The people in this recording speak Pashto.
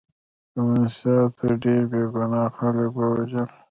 کمونستانو ډېر بې ګناه خلک ووژل